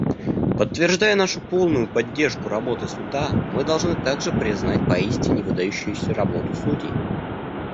Подтверждая нашу полную поддержку работы Суда, мы должны также признать поистине выдающуюся работу судей.